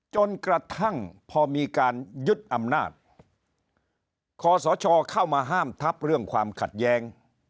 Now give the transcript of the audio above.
จนกระทั่งพอมีการยึดอำนาจคอสชเข้ามาห้ามทับเรื่องความขัดแย้ง